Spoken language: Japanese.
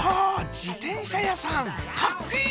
自転車屋さんカッコいい！